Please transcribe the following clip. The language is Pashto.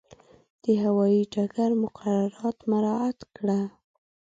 د هوایي ډګر مقررات مراعات کړه.